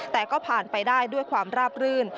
แต่ก็ผ่านไปได้ด้วยความราบรื่น